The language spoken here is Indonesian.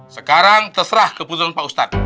sekarang terserah keputusan pak ustadz